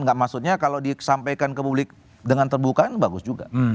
enggak maksudnya kalau disampaikan ke publik dengan terbuka ini bagus juga